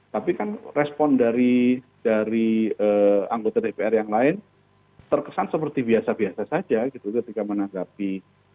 tapi kan respon dari anggota dpr yang lain terkesan seperti biasa biasa saja gitu ketika menanggapi